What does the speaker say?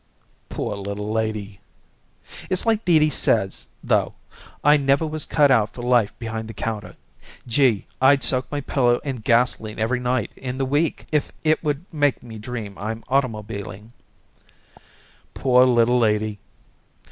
"Poor little lady!" "It's like Dee Dee says, though. I never was cut out for life behind the counter. Gee! I'd soak my pillow in gasolene every night in the week if it would make me dream I'm automobiling." "Poor little lady!"